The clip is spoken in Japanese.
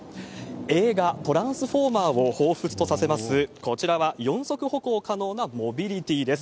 映画、トランスフォーマーをほうふつとさせます、こちらは四足歩行可能なモビリティです。